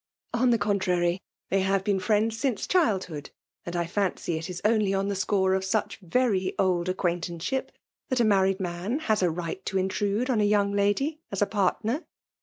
'« On the contrary, they hove been friends from childhood; and I fancy it is only on the score of such very old acquaintanceship, that a married man has a right to intrude on a young Udy as a partner."